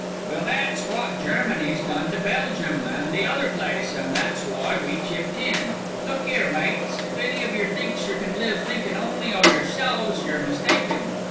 "Well, that's wot Germany's done to Belgium an' the other place, an' that's why we chipped in. Look 'ere, mates, if any of yer thinks yer can live thinkin' only o' yerselves, yer mistaken.